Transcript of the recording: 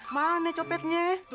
mau cepet ga tau